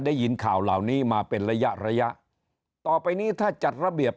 ได้ยินข่าวเหล่านี้มาเป็นระยะระยะต่อไปนี้ถ้าจัดระเบียบ